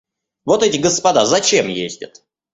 Вот эти господа зачем ездят?